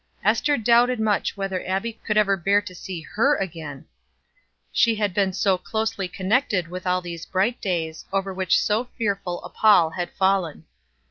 Ester doubted much whether Abbie could ever bear to see her again, she had been so closely connected with all these bright days, over which so fearful a pall had fallen.